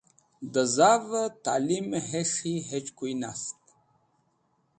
Dẽ zavẽ talimẽ hes̃hi hechkoy nast